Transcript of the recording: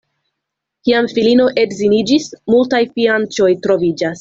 Kiam filino edziniĝis, multaj fianĉoj troviĝas.